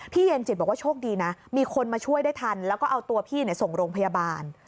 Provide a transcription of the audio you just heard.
เย็นจิตบอกว่าโชคดีนะมีคนมาช่วยได้ทันแล้วก็เอาตัวพี่ส่งโรงพยาบาล